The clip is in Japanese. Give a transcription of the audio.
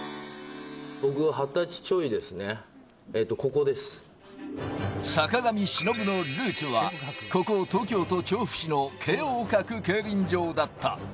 僕が２０歳ちょいですね、坂上忍のルーツは、ここ東京都調布市の京王閣競輪場だった。